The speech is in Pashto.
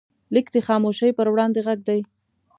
لیک د خاموشۍ پر وړاندې غږ دی.